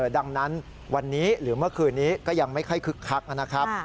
ดังนั้นวันนี้หรือเมื่อคืนนี้ก็ยังไม่ค่อยคึกคักนะครับ